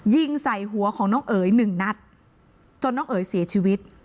ยิงใส่หัวของน้องเอ๋ยหนึ่งนัดจนน้องเอ๋ยเสียชีวิต